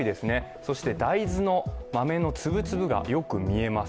そして大豆の豆の粒々がよく見えます。